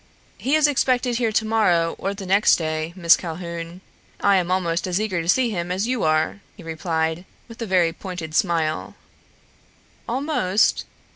"He is expected here tomorrow or the next day, Miss Calhoun. I am almost as eager to see him as you are," he replied, with a very pointed smile. "Almost?